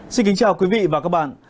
xin kính chào quý vị và các bạn